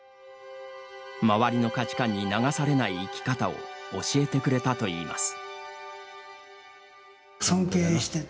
周りの価値観に流されない生き方を教えてくれたといいます。